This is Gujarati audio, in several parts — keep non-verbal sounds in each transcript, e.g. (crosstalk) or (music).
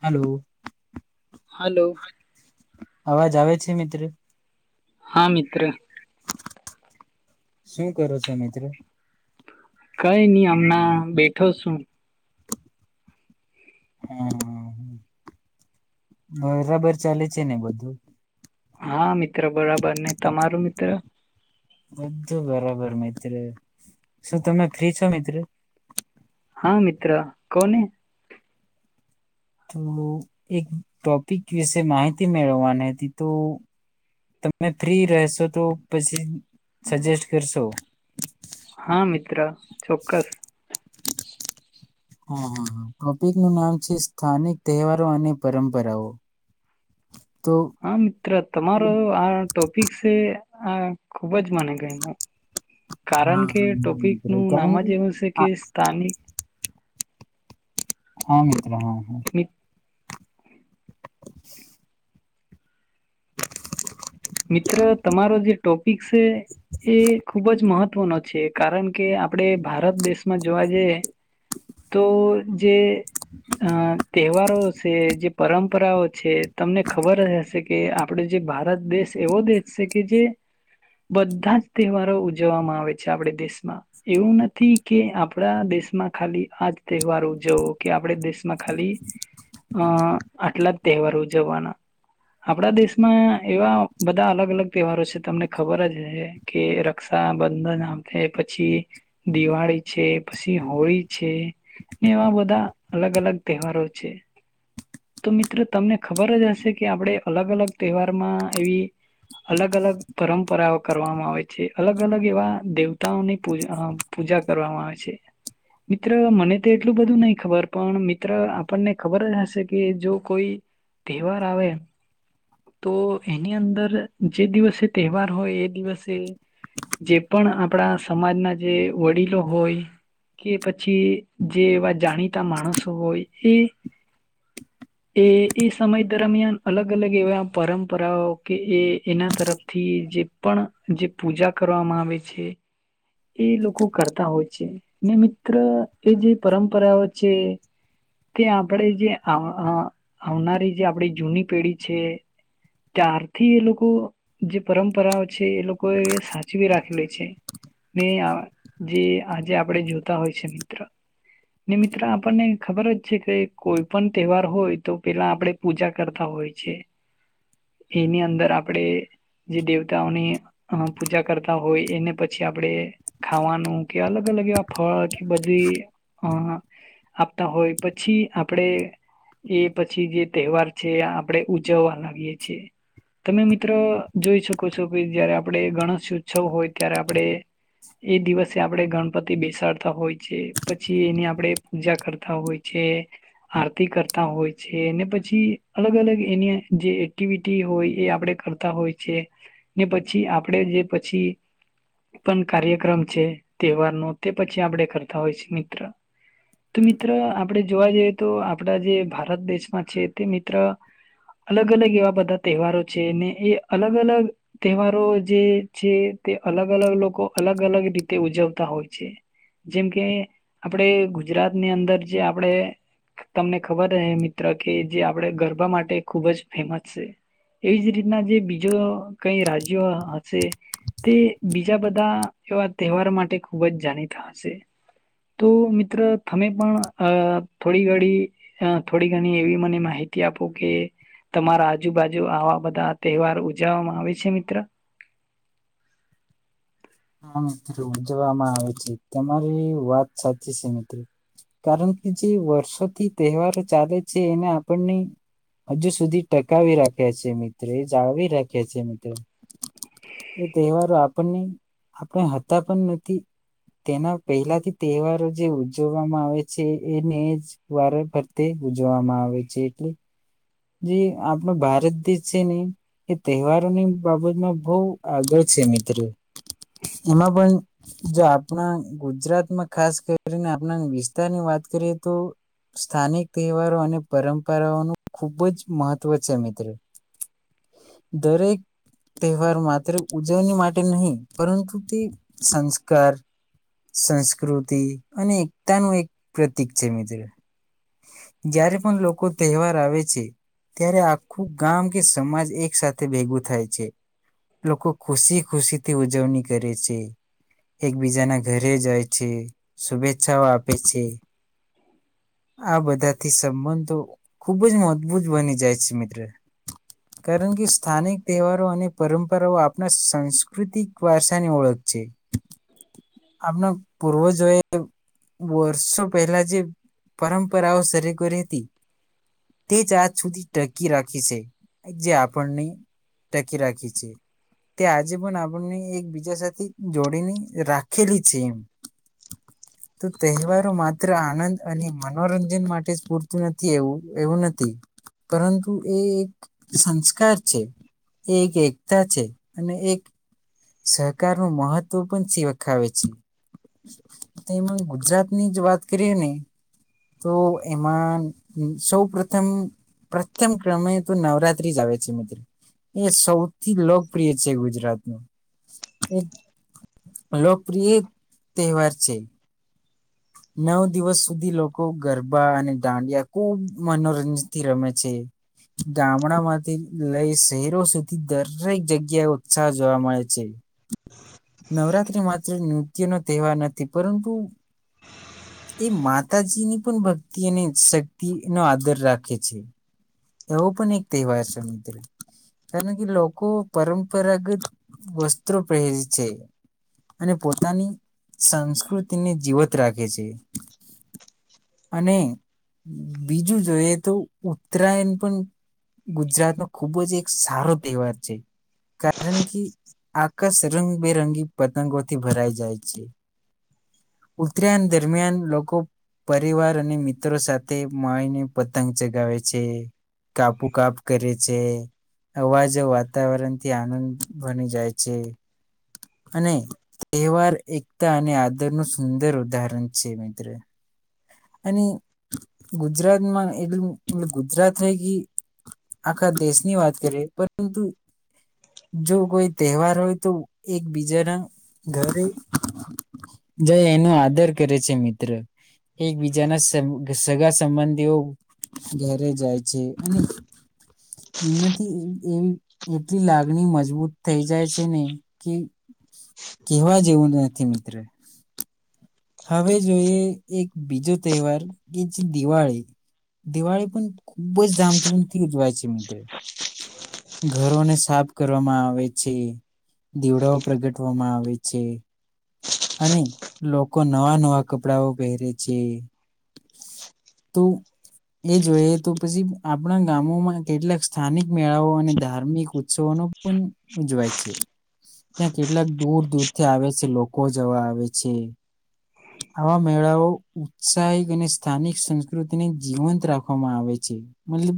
Hello hello. અવાજ આવે છે મિત્ર. હા મિત્ર શું કરો છો મિત્ર? કઈ નહી હમણાં બેઠો શું. હા બરાબર ચાલે છે ને બધું. હા મિત્ર બરાબર અને તમારું મિત્ર. બધું બરાબર મિત્ર શું તમે ફ્રી છો મિત્ર? હા મિત્ર કોને. તો એક ટોપિક વિશે માહિતી મેળવવાની હતી, તો તમે ફ્રી રહેશો તો પછી સજેસ્ટ કરશો. (inaudible) હા મિત્ર. ચોક્કસ હા હ ટોપિકનું નામ છે સ્થાનિક તહેવારો અને પરંપરાઓ. તો હા મિત્ર તમારો આ ટોપિક સે હા ખુબજ મને ગમ્યું. કારણ હા કે હા હા ટોપિક મિત્ર નુ નામ કારણ જ કે એવું છે કે આ- સ્થાનિક હમ્મ. રાહ હ (inaudible) મિત્ર તમારો જે ટોપિક છે એ ખુબ જ મહત્વનો છે કારણ કે આપણે ભારત દેશમાં જોવા જઈએ તો જે અ તહેવારો છે જે પરંપરાઓ છે તમને ખબર હશે કે આપડે જે ભારત દેશ એવો દેશ છે કે જે બધા જ તહેવારો ઉજવવામાં આવે છે આપડ દેશમાં એવું નથી કે આપડા દેશમાં ખાલી આજ તહેવાર ઉજવો કે આપણે દેશમાં ખાલી અ આટલા જ તહેવાર ઉજવવાના આપણા દેશમાં એવા બધા અલગ અલગ તહેવારો છે તમને ખબર જ હે કે રક્ષાબંધન આપે પછી, દિવાળી છે, પછી હોળી છે, ને એવા બધા અલગ અલગ તહેવારો છે, તો મિત્ર તમને ખબર જ હશે કે આપણે અલગ અલગ તહેવારમાં એવી અલગ-અલગ પરંપરાઓ કરવામાં આવે છે. અલગ- અલગ એવા દેવતાઓની પ પૂજા કરવામાં આવે છે મિત્ર મને તો એટલું બધું નહી ખબર પણ મિત્ર આપણને ખબર જ હશે કે જો કોઈ તહેવાર આવે તો એની અંદર જે દિવસે તહેવાર હોય એ દિવસે જે પણ આપણા સમાજના જે વડીલો હોય કે પછી જે એવા જાણીતા માણસો હોય એ એ એ સમય દરમિયાન અલગ-અલગ એવા પરંપરાઓ કે એ એના તરફથી જે પણ જે પૂજા કરવામાં આવે છે એ લોકો કરતા હોય છે ને મિત્ર એ જે પરંપરાઓ છે તે આપણે જે અ આવનારી જે આપડી જૂની પેઢી છે ત્યારથી એ લોકો જે પરંપરાઓ છે એ લોકો એ સાચવી રાખેલી છે ને જે આજે આપણે જોતા હોય છે મિત્ર, ને મિત્ર આપણને ખબર જ છે કે કોઈ પણ તહેવાર હોય તો પેલા આપણેે પૂજા કરતા હોય છે એની અંદર આપણેે જે દેવતાઓની પૂજા કરતા હોય એને પછી આપણેે ખાવાનું કે અલગ અલગ એવા ફળ કે બધી અ આપતા હોય પછી આપણે એ પછી જે તહેવાર છે આપણેે ઉજવવા લાગીએ છીએ તમે મિત્રો જોઈ શકો છો કે જયારે આપણે ગણેશ ઉત્સવ હોય ત્યારે આપણેે એ દિવસે આપણે ગણપતિ બેસાડતા હોય છે પછી એની આપણે પૂજા કરતા હોય છે. તે કરતા હોય છે ને પછી અલગ-અલગ એની જે એક્ટિવિટી હોય એ આપડે કરતા હોય છે ને પછી આપણેે જે પછી પણ કાર્યક્રમ છે તહેવારનો તે પછી આપણે કરતા હોય છે મિત્ર. તો મિત્ર આપણેે જોવા જઈએ તો. આપડા જે ભારત દેશમાં છે તે મિત્ર અલગ-અલગ એવા બધા તહેવારો છે ને એ અલગ-અલગ તહેવારો જે છે તે અલગ-અલગ લોકો અલગ-અલગ રીતે ઉજવતા હોય છે જેમ કે આપણે ગુજરાતની અંદર જે આપણે. તમને ખબર હ મિત્ર કે જે આપણે ગરબા માટે ખૂબ જ ફેમસ છે એવી જ રીતના જે બીજો કઈ રાજ્યો હશે તે બીજા બધા એવા તહેવારો માટે ખૂબ જ જાણીતા હશે તો મિત્ર તમે પણ થોડી ઘણ થોડી ઘણી એવી મને માહિતી આપો કે તમારા આજુબાજુ આવા બધા તહેવાર ઉજવવામાં આવે છે મિત્ર. હા મિત્રો ઉજવામાં આવે છે તમારી વાત સાચી છે મિત્ર કારણ કે જે વર્ષોથી તહેવારો ચાલે છે એને આપણને હજુ સુધી ટકાવી રાખ્યા છે મિત્રો એ જાળવી રાખ્યા છે મિત્રો એ તહેવારો આપણને. આપણે હોતા પણ નથી તેના પહેલાથી તહેવારો જે ઉજવવામાં આવે છે એને એજ વાર ભરતે ઉજવવામાં આવે છે એટલે જે આપણો ભારત દેશ છે ને એ તહેવારોની બાબતમાં બહુ આગળ છે મિત્ર એમાં પણ જો આપણા ગુજરાતમાં ખાસ કરીને આપણા વિસ્તારની વાત કરીએ તો સ્થાનિક તહેવારો અને પરંપરાઓનું ખૂબ જ મહત્વ છે મિત્ર દરેક તહેવાર માત્ર ઉજવણી માટે નહી પરંતુ તે સંસ્કાર સંસ્કૃતિ અને એકતાનું એક પ્રતિક છે મિત્ર જ્યારે પણ લોકો તહેવાર આવે છે ત્યારે આખું ગામ કે સમાજ એક સાથે ભેગું થાય છે લોકો ખુશી ખુશી થી ઉજવણી કરે છે એકબીજાના ઘરે જાય છે શુભેચ્છાઓ આપે છે આ બધાથી સંબંધો ખુબ જ (inaudible) બની જાય છે મિત્ર કારણ કે સ્થાનિક તહેવારો અને પરંપરાઓ આપણા સાંસ્કૃતિક વારસાની ઓળખ છે આપણા પૂર્વજોએ વર્ષો પહેલા જે પરંપરાઓ શરૂ કરી હતી તે જ આજ સુધી ટકી રાખી છે જે આપણને ટકી રાખી છે તે આજે પણ આપણને એકબીજા સાથે જોડીને રાખેલી છે એમ તો તહેવારો માત્ર આનંદ અને મનોરંજન માટે જ પૂરતું નથી એવું એવું નથી. (inaudible) પરંતુ એ એક સંસ્કાર છે એ એક એકતા છે અને એક સહકાર નું મહત્વ પણ (unintelligible) છે એમાં ગુજરાતની જ વાત કરીએ ને તો એમાં સૌ પ્રથમ પ્રથમ ક્રમે તો નવરાત્રી જ આવે છે મિત્ર એ સૌથી લોકપ્રિય છે ગુજરાતનું. એક લોકપ્રિય તહેવાર છે. નવ દિવસ સુધી લોકો ગરબા અને દાંડિયા ખૂબ મનોરંજન થી રમે છે ગામડામાંથી લઈ શહેરો સુધી દરેક જગ્યાએ ઉત્સાહ જોવા મળે છે નવરાત્રી માત્ર નૃત્ય નો તહેવાર નથી પરંતુ એ માતાજીની પણ ભક્તિ અને શક્તિ નો આદર રાખે છે એવો પણ એક તહેવાર છે મિત્રો કારણ કે લોકો પરંપરાગત વસ્ત્રો પહેરે છે અને પોતાની સંસ્કૃતિને જીવત રાખે છે. (inaudible) અને બીજું જોઈએ તો ઉત્તરાયણ પણ ગુજરાતનો ખૂબ જ એક સારો તહેવાર છે કારણ કે આકાશ રંગબેરંગી પતંગોથી ભરાઈ જાય છે. ઉતરાયણ દરમિયાન લોકો પરિવાર અને મિત્રો સાથે મળીને પતંગ ચગાવે છે. કાપુ કાપ કરે છે, છે અવાજો વાતાવરણ થી આનંદ બની જાય છે અને તહેવાર એકતા અને આદર નો સુંદર ઉદાહરણ છે મિત્ર અને ગુજરાતમાં એટલું એ ગુજરાત થ કે આખા દેશની વાત કરીએ પરંતુ જો કોઈ તહેવાર હોય તો એકબીજાના ઘરે જાય એનો આદર કરે છે મિત્ર. એકબીજાના સગા સંબંધીઓ ઘેરે જાય છે અને એમ નથી એવ એવી એટલી લાગણી મજબૂત થઈ જાય છે ને, કે કેવા જેવું નથી મિત્ર. હવે જોઈએ એક બીજો તહેવાર કે જે દિવાળી. દિવાળી પણ ખૂબજ ધામધૂમથી ઉજવાય છે, મિત્ર. ઘરોને સાફ કરવામાં આવે છે. દીવડાઓ પ્રગટવામાં આવે છે અને લોકો નવા નવા કપડાઓ પહેરે છે, તો એ જોઈ તો પછી આપણા ગામોમાં કેટલાક સ્થાનિક મેળાઓ ધાર્મિક ઉત્સવ પણ ઉજવાય છે. ત્યાં કેટલાક દૂર દૂરથી આવે છે, લોકો જવા આવે છે. આવા મેળાઓ ઉત્સાહિત અને સ્થાનિક સંસ્કૃતિને જીવંત રાખવામાં આવે છે, મતલબ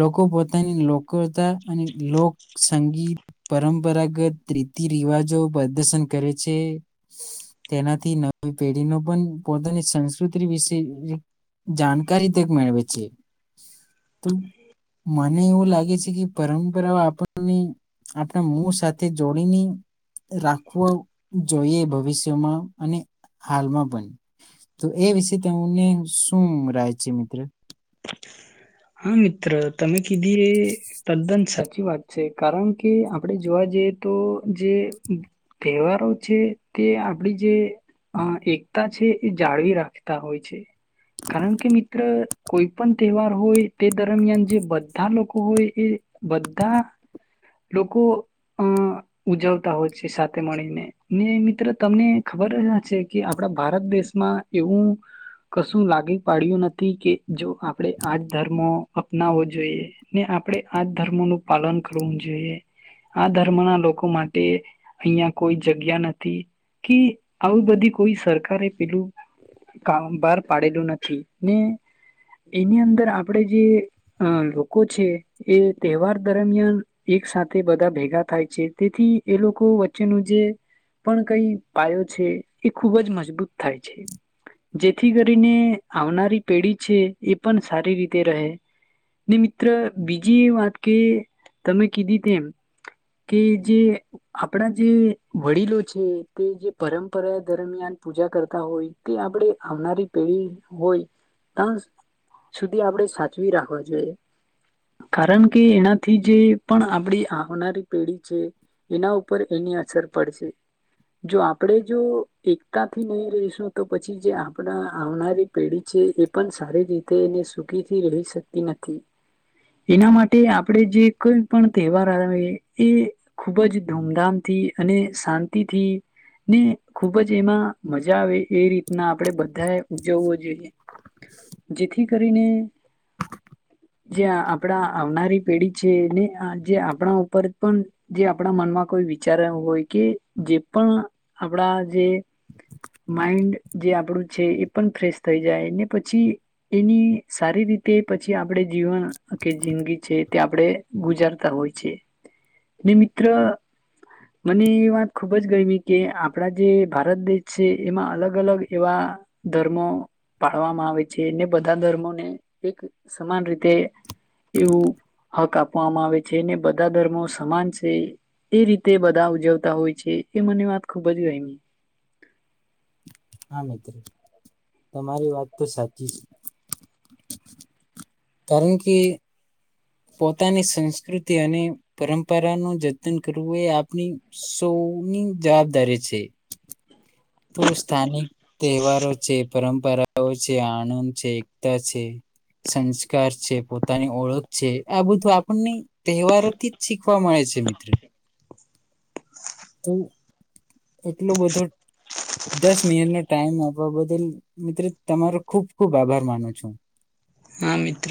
લોકો પોતાની લોક કરતા અને લોક સંગીત પરંપરાગત રીતિ રિવાજો પ્રદર્શન કરે છે, તેનાથી નવી પેઢીનો પણ પોતાની સંસ્કૃતિ વિશે જાણકારી તક મેળવે છે. (unintelligible) ને એવું લાગે છે પરંપરાઓ આપણને આપણા મો સાથે જોડીને રાખવો જોઈએ ભવિષ્યમાં અને હાલમાં પન, તો એ વિશે તમને શું રાય છે, મિત્ર? હા, મિત્ર તમે કીધી એ તદ્દન સ ચી વાત છે, કારણકે આપડે જોવા જઈએ તો જે તહેવારો છે તે આપડી જે અહ એકતા છે એ જાળવી રાખતા હોય છે, કારણકે મિત્ર કોઈ પણ તહેવાર હોય તે દરમિયાન જે બધા લોકો હોય એ બધા લોકો અહ ઉજવતા હોય છે સાથે મળીને, ને મિત્ર તમને ખબર છે કે આપડા ભારત દેશમાં એવું કશું લાગી પાડ્યું નથી કે જો આપડે આજ ધર્મો અપનાવવો જોઈએ ને આપડે આજ ધર્મો નું પાલન કરવું જોઈએ, આ ધર્મ ના લોકો માટે અહં કોઈ જગ્યા નથી કે આવી બધી કોઈ સરકારે પેલું (unintelligible) બાર પાડેલું નથી, ને એની અંદર આપડે જે લોકો છે એ તહેવાર દરમિયાન એક સાથે બધા ભેગા થાય છે, તેથી એ લોકો વચ્ચેનું જે પણ કઈ પાયો છે એ ખૂબજ મજબૂત થાય છે, જેથી કરીને આવનારી પેઢી છે એ પણ સારી રીતે રહે ને મિત્ર બીજી એ વાત, કે તમે કીધી તેમ કે જે આપડા જે વડીલો છે તે જે પરંપરા દરમિયાન પૂજા કરતા હોય તે આપડે આવનારી પેઢી હોય તા સુધી આપણે સાચવી રાખવા જોઈએ, કારણકે એનાથી જે પણ આપડી આવનારી પેઢી છે એના ઉપર એની અસર પડશે. જો આપડે જો એકતાથી નઈ રહીશું તો પછી જે આપડા આવનારી પેઢી છે એ પણ સારી રીત તે ને સુખીથી રહી શકતી નથી. એના માટે આપડે જે કોઈ પણ તહેવાર આવે એ ખૂબજ ધૂમધામથી અને શાંતિથી ને ખૂબ જ એમાં મજા આવે એ રીતના આપડે બધાએ ઉજવવો જોઈએ. જેથી કરીને જે આપણા આવનારી પેઢી છે ને જે આપણા ઉપર પણ જે આપણા મનમાં કોઈ વિચાર હોય કે જે પણ આપણા જે માઈન્ડ જે આપણું છે એ પણ ફ્રેશ થઈ જાય ને પછી એની સારી રીતે પછી આપણે જીવન કે જિંદગી છે તે આપણેે ગુજારતા હોય છે. ને મિત્ર મને એ વાત ખુબ જ ગયમી કે આપણા જે ભારત દેશ છે એમાં અલગ અલગ એવા ધર્મો પાળવામાં આવે છે. ને બધા ધર્મોને એક સમાન રીતે એવું હક આપવામાં આવે છે ને બધા ધર્મો સમાન છે, એ રીતે બધા ઉજવતા હોય છે એ મને વાત ખૂબ જ ગયમી. હા મિત્ર તમારી વાત તો સાચી છે. કારણ કે પોતાની સંસ્કૃતિ અને પરંપરાનું જતન કરવું એ આપની સૌની જવાબદારી છે. તો સ્થાનિક તહેવારો છે પરં પરાઓ છે, આનંદ છે, એકતા છે, સંસ્કાર છે, પોતાની ઓળખ છે, આ બધું આપણને તહેવારોથી જ શીખવા મળે છે મિત્ર. તો એટલું બધું દસ મિનિટનો ટાઈમ આપવા બદલ મિત્ર તમારો ખૂબ ખૂબ આભાર માનું છું. હા મિત્ર.